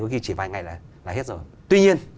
khi chỉ vài ngày là hết rồi tuy nhiên